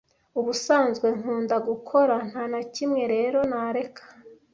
Ubusanzwe nkunda gukora, nta na kimwe rero nareka.